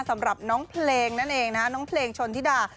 สำหรับน้องเพลงนั่นเองนะน้องเพลงชนธิดา